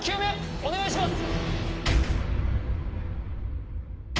お願いします！